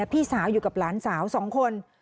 พี่สาวอยู่กับหลานสาว๒คน